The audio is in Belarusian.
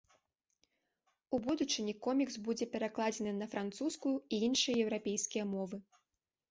У будучыні комікс будзе перакладзены на французскую і іншыя еўрапейскія мовы.